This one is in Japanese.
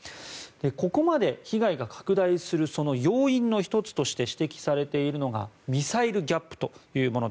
ここまで被害が拡大する要因の１つとして指摘されているのがミサイルギャップというもの。